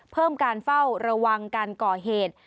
เพิ่มการเฝ้าระวังการก่อเหตุ